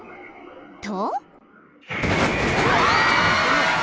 ［と］